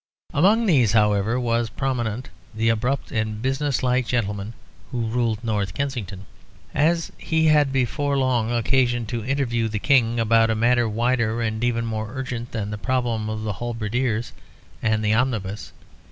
Among these, however, was prominent the abrupt and business like gentleman who ruled North Kensington. And he had before long, occasion to interview the King about a matter wider and even more urgent than the problem of the halberdiers and the omnibus.